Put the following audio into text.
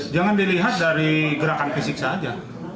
jangan dilihat dari gerakan fisik saja